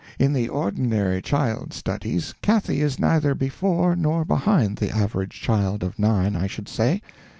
In the ordinary child studies Cathy is neither before nor behind the average child of nine, I should say.